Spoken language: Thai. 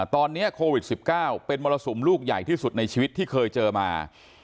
ตอนนี้โควิด๑๙เป็นมรสุมลูกใหญ่ที่สุดในชีวิตที่เคยเจอมา